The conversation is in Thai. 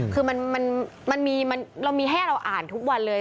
คือมันมีเรามีให้เราอ่านทุกวันเลย